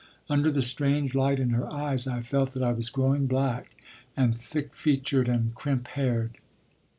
Under the strange light in her eyes I felt that I was growing black and thick featured and crimp haired.